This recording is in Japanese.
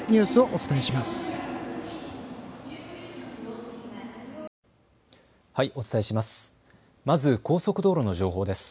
お伝えします。